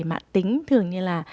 mà tính thường như là